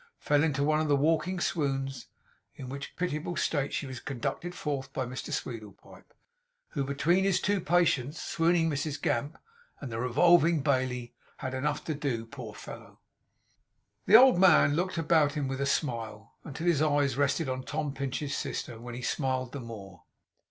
fell into one of the walking swoons; in which pitiable state she was conducted forth by Mr Sweedlepipe, who, between his two patients, the swooning Mrs Gamp and the revolving Bailey, had enough to do, poor fellow. The old man looked about him, with a smile, until his eyes rested on Tom Pinch's sister; when he smiled the more.